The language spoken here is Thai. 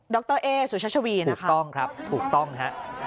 รเอสุชัชวีนะครับถูกต้องครับถูกต้องฮะ